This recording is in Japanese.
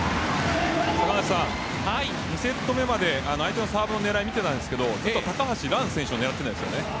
２セット目まで相手のサーブの狙い目を見ていたんですが高橋藍選手を狙っていますね。